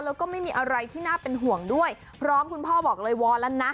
แล้วก็ไม่มีอะไรที่น่าเป็นห่วงด้วยพร้อมคุณพ่อบอกเลยวอนแล้วนะ